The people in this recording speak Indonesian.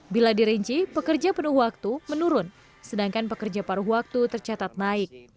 bila dirinci pekerja penuh waktu menurun sedangkan pekerja paruh waktu tercatat naik